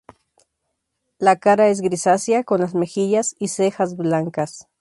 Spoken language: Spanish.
La cara es grisácea con las mejillas y cejas blancas.